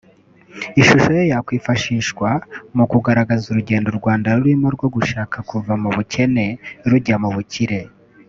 Ishusho ye yakwifashishwa mu kugaragaza urugendo u Rwanda rurimo rwo gushaka kuva mu bukene rujya mu bukire